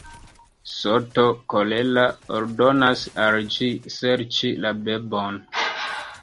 Soto, kolera, ordonas al ĝi serĉi la bebon.